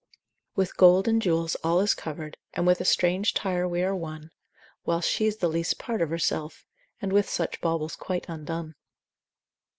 With gold and jewels all is covered, And with a strange tire we are won, (Whilst she's the least part of herself) And with such baubles quite undone.